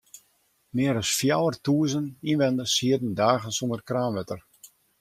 Mear as fjouwertûzen ynwenners sieten dagen sûnder kraanwetter.